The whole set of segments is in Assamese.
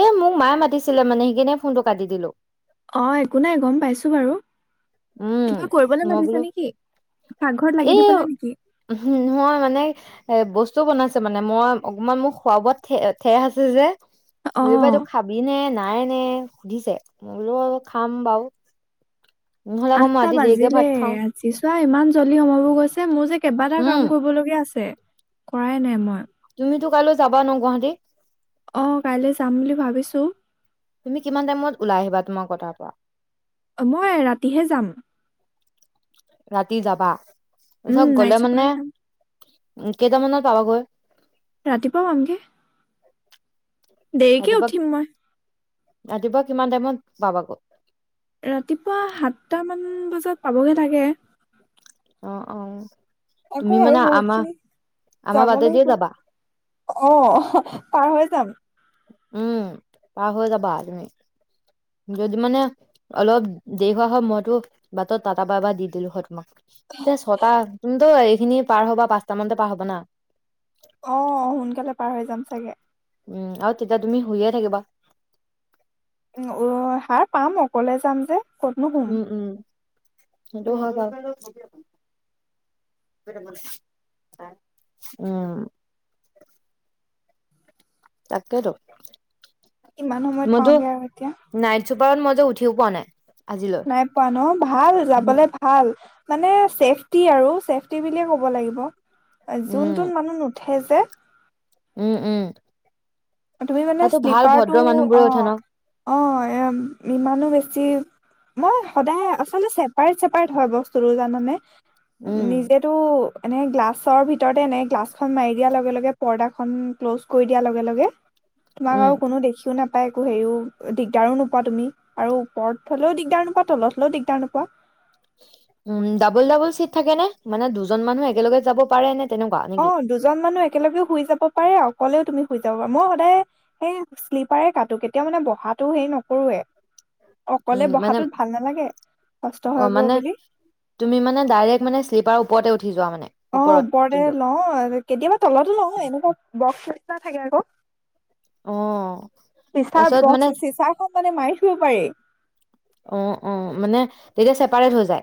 এ মোক মায়ে মাতিছিলে মানে সেই কিনে ফোনটো কাটি দিলো। অ একো নাই গম পাইছো বাৰু কিবা কৰিবলৈ বোলো মাতিছো নেকি? পাকঘৰত লাগি এ দি পেলাই নেকি? মই মানে এ বস্তুও বনাইছে মানে মই অকমান মোৰ খোৱা বোৱাত ঠে ঠেহ আছে যে। মবাই তো অ', খাবি নে নাই নে সুধিছে মই বোলো খাম বাৰু। নহ'লে আকৌ মই আঠটা ৰাতি দেৰিকে বাজিলে ভাত খাওঁ আজি চোৱা ইমান জল্দি সময়বোৰ গৈছে মোৰ যে কেইবাটা উম কাম কৰিবলগীয়া আছে। কৰাই নাই মই। তুমিতো কাইলৈ যাবা ন গুৱাহাটী? অ কাইলৈ যাম বুলি ভাবিছো। তুমি কিমান টাইমত ওলাই আহিবা তোমাৰ পথাৰ পৰা। মই ৰাতিহে যাম। ৰাতি যাবা তাৰ উম, চব নাইট গলে চুপাৰ মানে যাম উ কেইটামানত পাবাগৈ? ৰাতিপুৱা পামগে। দেৰিকে ৰাতিপুৱা উঠিম মই। ৰাতিপুৱা কিমান টাইমত পাবাগৌ ৰাতিপুৱা সাতটামান বজাত পাবগে লাগে। অ অ, আ তুমি আৰু মানে আমাৰ বহুতখিনি আমাৰ যাব বাটেদিয়ে লাগিব। যাবা অ পাৰ হৈ যাম। উম পাৰ হৈ যাবা, যদি মানে অলপ দেৰি হোৱা হয় মইতো বাটত টাট পৰা এ বা দি দিলো হয় তোমাক, এতিয়া ছটা তুমিতো এইখিনি পাৰ হ'বা পাঁচটা মানতে পাৰ হব না, অ সোনকালে পাৰ হৈ যাম চাগে, উম আৰু তেতিয়া তুমি শুইয়ে থাকিবা, আহ হাৰ পাম অকলে যাম যে ক'তনো শুম, দুহাজাৰ, উম তাকেতো, ইমান সময়ত পাওঁগে আৰু এতিয়া। পৰত মই যে উঠিও পোৱা নাই আজিলৈ নাই পোৱা ন ভাল উহু, যাবলে ভাল। মানে চছেফটি আৰু চছেফটি বুলিয়ে ক'ব লাগিব যোন উম যোন মানুহ নুঠে হে যে - - উম উম তুমি মানে তাতো ভাল শ্লিপাৰটো ভদ্ৰ মানুহবোৰে উঠে অ', ন অ', এ, ইমানো বেছ বেছি মই সদায় আচলতে চেপাৰেট, চেপাৰেট হয়, বস্তুটো জানানে? উম নিজেতো এনে গ্লাছৰ ভিতৰতে এনে গ্লাছখন মাৰি দিয়া লগে, লগে পৰ্দাখন ক্ল'জ কৰি দিয়াৰ লগে, লগে। তোমাক উম আৰু কোনো দেখিও নাপ একো হেৰিও দিগদাৰো নোপোৱা তুমি, আৰু ওপৰত হ'লেও দিগদাৰ নোপোৱা, তলত হ'লেও দিগদাৰ নোপোৱা। উম, ডাবল, ডাবল চিট থাকেনে? মানে দুজন মানুহ একেলগে যাব পাৰেনে? অ', দুজন মানুহ একেলগে শুই যাব পাৰে, অকলেও তুমি শুই যাব পাৰা, মই সদায় সেই শ্লিপাৰে কাটোঁ কেতিয়া মানে বহাটো হেৰি নকৰোৱে। উম অকলে মানে বহাটোত ভাল নালাগে, কষ্ট অ হ'ব মানে বুলি। তুমি মানে ডাইৰেক্ট মানে শ্লিপাৰৰ ওপৰতে উঠ অ', ওপৰতে লওঁ, কেতিয়াবা তলতো লওঁ, এনেকুৱা বক্স নিচিনা থাকে আকৌ। অ চিচাৰ তাৰপিছত মানে বক্স চিচাৰখন মানে মাৰি থ'ব পাৰি। অ', অ' মানে তেতিয়া চেপাৰেট হৈ যায়।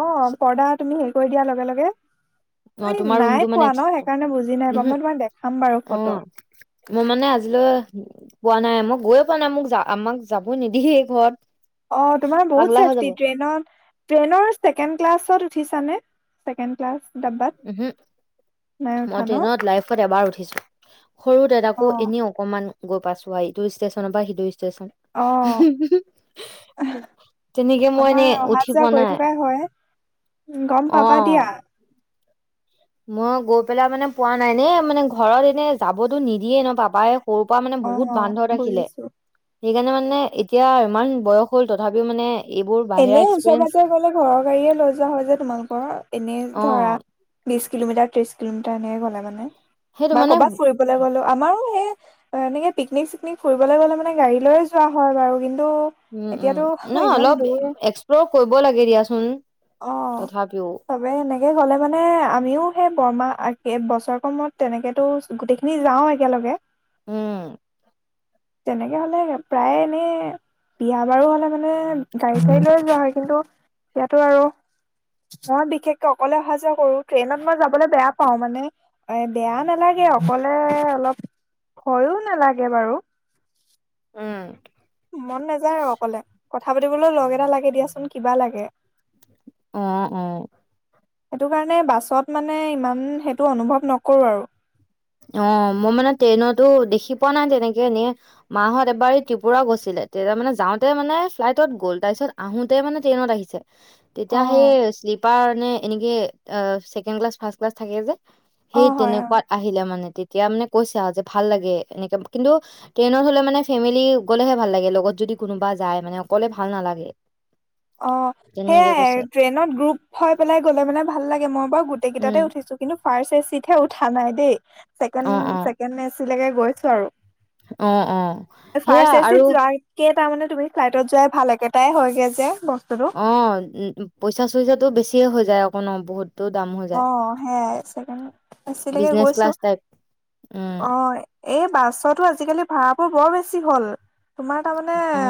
অ', পৰ্দা তুমি হেৰি কৰি দিয়া লগে, লগে। অ মি তোমাৰ ৰুমটো নাই মানে পোৱা ন? এক্সট্ৰা সেইকাৰণে বুজি নাই পোৱা, উহু মই তোমাৰ দেখাম বাৰু অ ফটো। [unintelligible] পোৱা নাই, মই গৈয়ে পোৱা নাই, মোক আমাক যাব নিদিয়েই ঘৰত। অ', তোমাৰ বহুত পাগলা হৈ চেছফটি যাব ট্ৰেইনত, ট্ৰেইনৰ ছেকেড ক্লাছত উঠিছানে? Second class? ডাব্বাত [unintelligible] নাই উঠা মই ন ট্ৰেইনত লাইফত এবাৰ উঠ চো, সৰুতে অ তাকো এনেই অকনমান গৈ পাইছোঁ, আৰু ইটোৰ ষ্টেচনৰ পৰা সিটো অ ই [unintelligible] তেনেকে মই আমাৰ এনেই অহা উঠি যোৱা পোৱা কৰি নাই। থকাই হয় গম পাবা অ দিয়া মই গৈ পেলাই মানে পোৱা নাই নে মানে ঘৰত এনে যাবতো নিদিয়ে ন পাবাই। সৰুৰ পৰা মানে অ বহুত বান্ধত ৰাখিলে। বুজিছো সেইকাৰণে মানে এতিয়া ইমান বয়স হ'ল তথাপিও মানে এইবোৰ বাহিৰা এনেই ওচৰ এক্সপিৰিয়েঞ্চ পাজৰে গলে ঘৰৰ গাড়ীয়ে লৈ যোৱা হয় যে তোমালোকৰ এনেই অ ধৰা বিশ কিলোমিটাৰ ত্ৰিশ কিলোমিটাৰ এনেকে গলে মানে সেইটো বা মানে কৰ'বাত ফুৰিবলৈ গলে আমাৰো সেই অ এনেকে পিকনিক চিকনিক ফুৰিলৈ গ'লে মানে গাড়ী লয় যোৱা হয় বাৰু কিন্তু উম উম এতিয়াতো ন ইমান অলপ দূৰ এক্সপ্লৰ কৰিব লাগে দিয়াচোন অ তথাপিও। চবে এনেকে গলে মানে আমিও সেই বৰমাহ বছৰ ক মূত তেনেকেতো গোটেইখিনি যাও একেলগে। উম। তেনেকে হলে প্ৰায় এনেই বিয়া বাৰু হলে মানে গাড়ী চাড়ী লৈ যোৱা হয় কিন্তু ইয়াতো আৰু মই বিশেষকে অকলে অহা যোৱা কৰো ট্ৰেইনত মই যাবলৈ বেয়া পাও মানে এ বেয়া নালাগ এই অকলে অলপ ভয়ো নালাগে বাৰু। উ মন নাযায় আৰু অকলে কথা পাতিবলৈ লগ এটা লাগে দিয়াচোন কিবা লাগে। অ অ সেইটো কাৰণে বাছত মানে ইমান সেইটো অনুভৱ নকৰোঁ আৰু। অ মই মানে ট্ৰেইনতো দেখি পোৱা নাই তেনেকে এনে মাহত এবাৰ ত্ৰিপুৰা গৈছিলে তেতিয়া মানে যাওঁতে মানে ফ্লাইটত গ'ল তাৰপিছত আহোতে মানে ট্ৰেইনত আহিছে। অ তেতিয়া সেই শ্লিপাৰ নে এনেকে ছেকেণ্ড ক্লাছ ফাৰ্ষ্ট ক্লাছ থাকে যে অ সেই হয় অ তেনেকুৱা আহ মানে তেতিয়া মানে কৈছে যে ভাল লাগে এনেকে কিন্তু ট্ৰেইনত হলে মানে ফেমিলি গ'লেহে ভাল লাগে। লগত যদি কোনোবা যায় মানে অকলে ভাল নালাগে, অ তেনেকে কৈছে সেইয়াই ট্ৰেইনত গ্ৰুপ হৈ পেলাই গলে মানে ভাল লাগে মই বাৰু গোটেইকেইটাতে উম উঠিছো কিন্তু ফাৰ্ষ্ট এ চিতহে উঠ নাই দেই অ ছেকেণ্ড অ ছেকেণ্ড এ চি লৈকে গৈছে আৰু, অ অ সেয়া ফাৰ্ষ্ট এ আৰু চিট যোৱাত কে - - তাৰ মানে তুমি ফ্লাইটত যোৱাই ভাল একেটাই হয়গে যে, বস্তুটো অ উ পইচা চইচাটো বেছিয়ে হৈ যায় অক ন বহুত? আহ সেয়াই চকিলৈকে বিজনেচ গৈছো। ক্লাছ টাইপ উম অ এই বাছতো আজিকালি ভাড়া বোৰ বৰ বেছি হ'ল। তোমাৰ তাৰমানে অ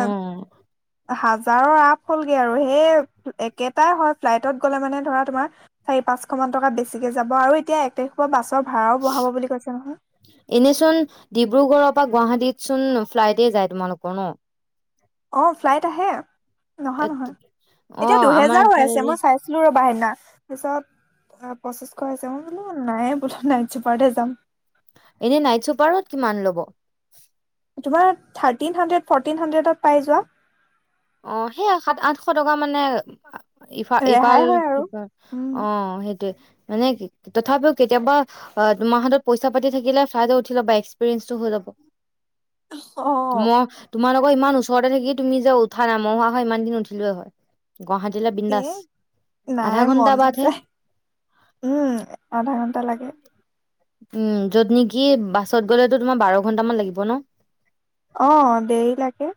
হাজাৰৰ আপ হ'লগে আৰু সেই একেটাই হয় ফ্লাইটত গ'লে মানে ধৰা তোমাৰ চাৰি পাঁচ ককমান টকা বেছিকে যাব আৰু এতিয়া এক তাৰিখ পৰা বাছৰ ভাড়াও বঢ়াব বুলি কৈছে নহয়। এনেচোন ডিব্ৰুগড়ৰ পৰা গুৱাহাটীত চোন ফ্লাইট যায় তোমালোকৰ ন? অ ফ্লাইট আহে নহা এ নহয়, অ এতিয়া আমাৰ দুহেজাৰ হৈ আছে এইফালেদি মই চাইছিলো ৰ বাই ন পাৰিছত পঁচিছশছে মই বোলো নাই বোলো নাইট জোপাৰতে যাম। এনে নাইট চুপাৰত কিমান ল'ব, তোমাৰ থাৰ্টিন হাড্ৰেড ফৰ্টিন হাণ্ড্ৰেডত পাই যোৱা। অ সেইয়া সাত আঠশ টকা মানে, ইফাল ৰেহাই হয় আৰু। ইফালফাল উম, অ সেইটোৱে। মানে কি তথাপিও কেতিয়াবা তোমাৰ হাতত পইচা পাতি থাকিলে ফ্লাইট উঠি লবা এক্সপিৰিয়েন্ঞ্চটো হৈ লব অ' মই তোমালোকৰ ইমান ওচৰতে থাকি তুমি যে উঠথা নামহোৱা হয় ইমান দিন উঠিলোে হয়। গুৱাহাটীলৈ এ বিন্দাছ আধা নাই ঘন্টা মন বাদহে নাযায়, উম আধা ঘণ্টা লাগে। উম য'ত নেকি বাছত গ'লেতো তোমাৰ বাৰ ঘন্টামান লাগিব ন। অ দেৰি লাগে।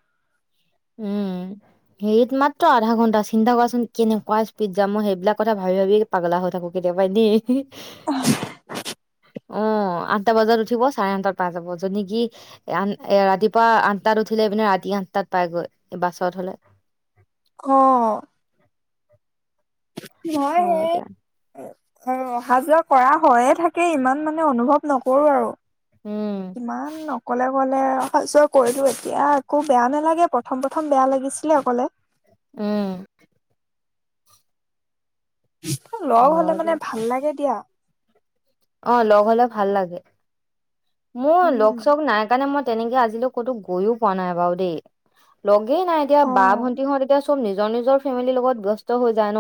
উম, উ হেৰিত মাত্ৰ আধা ঘন্টা চিন্তা কৰাচোন কেনেকুৱা স্পীড যাম মই সেইবিলাক কথা ভাবি ভাবি পাগল, হৈ থাকো কেতিয়াবা দ অ, আঠটা বজাত উঠিব চাৰে আঠটাত পাই যাব যদি কি আ এ ৰাতিপুৱা আঠটাত উঠিলে পিনে ৰাতি আঠটাত। পাইগৈ বাছত হ'লে। ক নহয় হ'ব সে, দিয়া অ অহা যোৱা কৰা হয়য়ে থাকে ইমান মানে অনুভৱ নকৰো আৰু উম কিমান নকলে গল, চক কৰিলোঁ এতিয়া একো বেয়া নালাগে প্ৰথম-প্ৰথম অলপ বেয়া লাগিছিল, অকলে। উম লগ হ'লে হ'ব মানে ভাল লাগে দিয়া অঁ, লগ হ'লে ভাল লাগে। মোৰ উম লগচগ নাই কাৰণে, মই তেনেকৈ আজিলৈকে ক'তো গৈও নাই বাৰু দেই লগ এই নাই এতিয়া অ ভাই-ভণ্টীহঁত এতিয়া সকলো নিজৰ নিজৰ ফেমিলিৰ লগত ব্যস্ত হৈ যায় ন।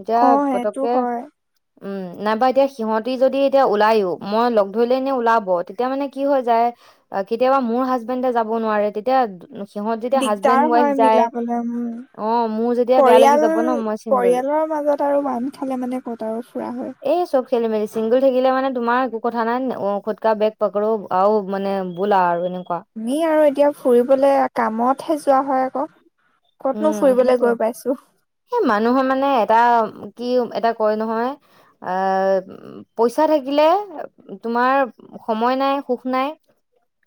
এতিয়া অ' সেইটো পতকে হয় উম, নাইবা এতিয়া সিহঁতে যদি ওলায়ো, মই লগ ধৰিলে নে ওলাব? তেতিয়া, মানে কি হৈ যায় কেতিয়াবা মোৰ হাজবেণ্ড যাব নোৱাৰে, তেতিয়া সিহঁত যেতিয়া দিগদাৰ হাজবেণ্ড-ৱাইফ হয় একেলগে যায়, মিলাবলৈ উম মোৰ তেতিয়া অলপ বেয়া লাগে, মই যে চিংগল। মাজতে আৰু বাধা আহিলে, মানে ক'তো আৰু ফুৰা হয়। খেলি-মেলি, চিংগল থাকিলে মানে তোমাৰ একো চিন্তা নাই ন বেগ পকৰো আৰু মানে বলা আৰু এনেকুৱা আমি আৰু এতিয়া ফুৰিবলে কামতহে যোৱা হয় আকৌ। ক'তনো উম, ফুৰিবলৈ সেইটো গৈ পাইছো সেই মানুহৰ মানে, এটা কি এটা কয় নহয়, আহ! পইচা থাকিলে তোমাৰ সময় থাকিলে সুখ নাই,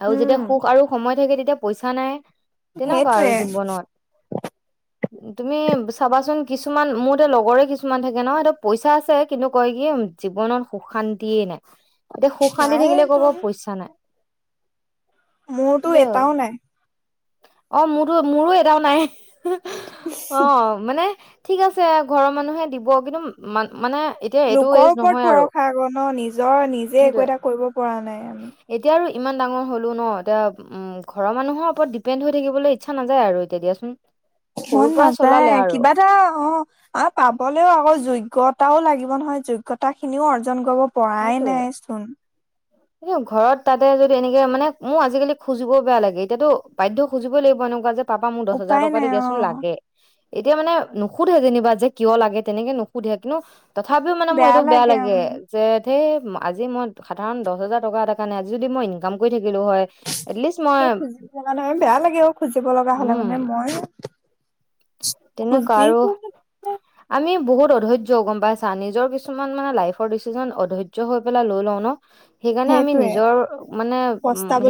আৰু উম যেতিয়া সুখ আৰু সময় থাকে, তেতিয়া পইচা নাই। তেনেকুৱা আৰু সেইটোৱে জীৱনত। তুমি চাবাচোন কিছুমান মোৰ এতিয়া লগৰ কিছুমান থাকে ন পইচা আছে কিন্তু কয় কি জীৱনত সুখ-শান্তি নাই আকৌ, যেতিয়া সুখ-শান্তি থাকে, তেতিয়া নাইতোন কয়, পইচা নাই। মোৰ তো সেইটো এটাও নাই। অ', মোৰো এটাও নাই, অ', মানে ঠিক আছে, ঘৰৰ মানুহে দিব কিন্তু, মানে এতিয়া এইটো লোকৰ এজ ওপৰত নহয় আৰু ভৰসা কৰ ন। নিজে নিজে একো সেইটোয়ে এটা কৰিব পৰা নাই আমি এতিয়া আৰু ইমান ডাঙৰ হ'লোঁ ন এতিয়া উম, ঘৰৰ মানুহৰ ওপৰত ডিপে ফ্ৰেণ্ড হৈ থাকিবলৈ আৰু এতিয়া ইচ্ছা নাযায় আৰু দিয়াচোন। সৰুৰ মন পৰা চলালে নাযায় আৰু কিবা এটা অ' পাবলৈ হ'লেও আকৌ যোগ্যতাও লাগিব। যেন হয় যোগ্যতাখিনিও অৰ্জন কৰিব পৰা নাই চোন। এইটো ঘৰত। তাতে, যদি এনেকৈ হয়, মানে মোৰ আজিকালি খুজিবলৈও বেয়া লাগে। এতিয়া তো বাধ্য হৈ খুজিবই লাগিব, এনেকুৱাই যে পাপা, মোক দহ হাজাৰ উপায় টকা দি নাই দিয়াচোন, অ', লাগে। এতিয়া, মানে নুসুধে। যেনিবা, কিয় লাগে? তেনেকে নুসুধে, কিন্তু তথাপিও, মানে মোৰ এইটো বেয়া লাগে। যে ধেই, আজি মই সাধাৰণ দহহাজাৰ টকা এটা কাৰণে, আজি যদি মই ইনকাম কৰি থাকি কৰিলো হয়। এটলিষ্ট, মই। এতিয়া খুজিব লগা নহয় বেয়া লাগে অ', খুজিব লগা হ'লে, উম মানে, মই তেনেকুৱা, খুজিব আৰু আমি বহুত অধৈৰ্য্য গম পাইছা। নিজৰ কিছুমান, মানে, লাইফৰ ডিচিজন অধৈৰ্য্য হৈ পেলাই লৈ লওঁ, ন? সেইকাৰণে, আমি সেইটোৱে নিজৰ, মানে,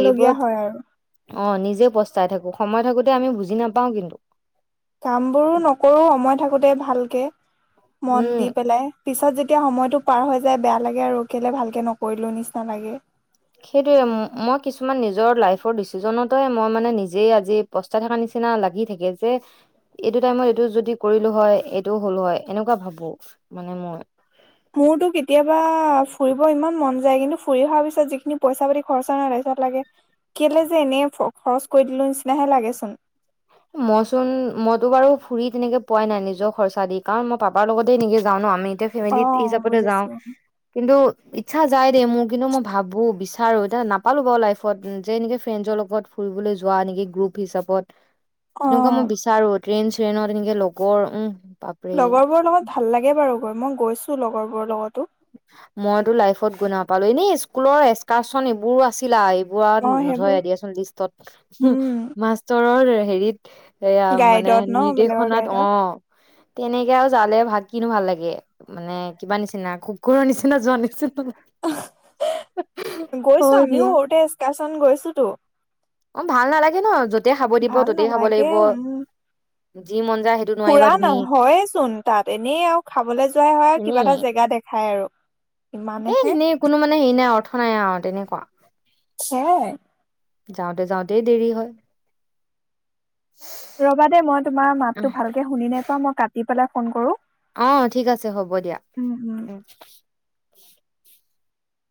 হেৰি হয় আৰু। বোৰত অ', নিজেই পস্তাই থাকোঁ। সময় থাকোঁতে আমি বুজি নাপাওঁ, কিন্তু। কামবোৰো নকৰোঁ। সময় থাকোঁতে ভালকৈ মন উম দি পেলাই। পিছত, যেতিয়া সময়টো পাৰ হৈ যায়, বেয়া লাগে আৰু। কেলে ভালকৈ নকৰিলোঁ নিচিনা লাগে। সেইটোৱেই। মই কিছুমান নিজৰ লাইফৰ ডিচিজনতে, মানে- নিজেই আজি পস্তাই থকা নিচিনা নিচিনা লাগি থাকে যে এইটো টাইমত এইটো যদি কৰিলোঁ, হয়, এইটোও হ'ল হয়। এনেকুৱা ভাবোঁ, মানে মই। মোৰতো [unintelligible] ফুই অহাৰ পিছত যিখিনি পইচা-পাতি খৰচা ন। তাৰপিছত লাগে, কেলে যে এনে খৰচ কৰি দিলোঁ। নিচিনাহে লাগে চোন। মই চোন, মইতো বাৰু ফুৰি তেনেকে পোৱাই নাই, নিজৰ খৰচা দি। কাৰণ, মই পাপাৰ লগতে এনেকে যাওঁ, ন। আমি। এতিয়া ফেমিলি অ', হিচাপতে যাওঁ, বুজিছো কিন্ত ইচ্ছা যায় দেই, মোৰ। কিন্তু মই ভাবোঁ। বিচাৰোঁ। এতিয়া, নাপালোঁ বাৰু লাইফত। যে এনেকে ফ্ৰেণ্ডচৰ লগত ফুৰিবলৈ যোৱা নেকি, গ্ৰুপ হিচাপত? তেনেকুৱা মই অ', বিচাৰো ট্ৰেইন চ্ৰেইনত এনেকে লগৰ উম বাপৰে লগৰবোৰৰ লগত ভাল লাগে বাৰু গৈ মই গৈছো লগৰবোৰৰ লগতো। মইতো লাইফত গৈ নাপালো এনে স্কুলৰ এক্সকাৰ্চন এইবোৰো আছিলা ফুৱাত অ', নধয় সেইবোৰ দিয়াচোন লিষ্টত উম, মাষ্টৰৰ হেৰিত এয়া মানে গাইডত ন বেলেগৰ নিৰ্দেশনাত অ গাইডত তেনেকেও জালে ভাত কিনো ভাল লাগে মানে কিবা নিচিনা কুকুৰৰ নিচিনা যোৱা নিচ গৈছো, হয় দিয়া আমিও সৰুতে এক্সকাৰচন গৈছোতো। অ ভাল নালাগে ন য'তে খাব দিব ভাল ততেই খাব নালাগে লাগিব। উম, যি মন যায় সেইটো নোৱাৰিবা পুৰা না তুমি হয় চোন তাত এনেই আৰু খাবলৈ যোৱাই হয় আৰু কিবা এনেই এটা জেগা দেখাই আৰু এ ইমানেহে এনেই কোনো মানে হেৰি নাই অৰ্থ নাই আৰু তেনেকুৱা। সে যাওঁতে যাওঁতেই দেৰি হয়। ৰবা দে মই তোমাৰ অ মাততো ভালকে শুনি নাইপোৱা মই কাটি পেলাই ফোন কৰো। অ ঠিক আছে হ'ব দিয়া উম উ,